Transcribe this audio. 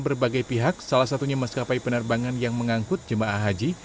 berbagai pihak salah satunya maskapai penerbangan yang mengangkut jemaah haji